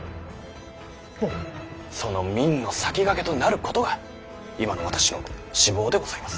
その民の魁となることが今の私の志望でございます！